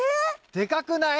でかくない？